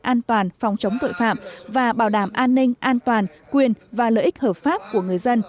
an toàn phòng chống tội phạm và bảo đảm an ninh an toàn quyền và lợi ích hợp pháp của người dân